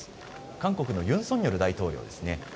韓国のユン・ソンニョル大統領ですね。